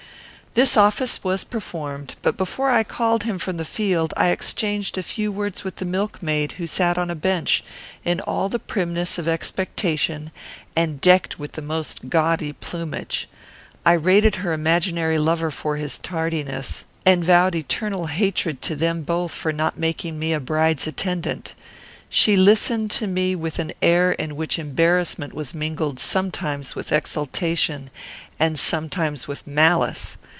This office was performed; but before I called him from the field I exchanged a few words with the milkmaid, who sat on a bench, in all the primness of expectation, and decked with the most gaudy plumage. I rated her imaginary lover for his tardiness, and vowed eternal hatred to them both for not making me a bride's attendant. She listened to me with an air in which embarrassment was mingled sometimes with exultation and sometimes with malice.